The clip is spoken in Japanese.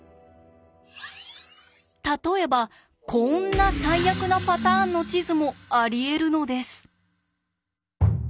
例えばこんな最悪なパターンの地図もありえるのです。